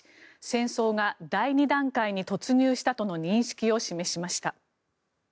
戦争が第２段階に突入したとの認識を示しました。